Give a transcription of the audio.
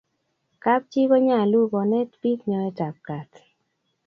kap chii konyalu konet bik nyoet ab kat